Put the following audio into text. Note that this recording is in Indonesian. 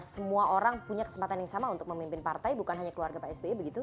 semua orang punya kesempatan yang sama untuk memimpin partai bukan hanya keluarga pak sby begitu